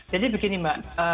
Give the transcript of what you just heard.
jadi begini mbak